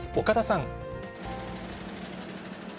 岡田さん。